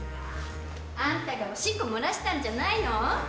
あんたがおしっこ漏らしたんじゃないの？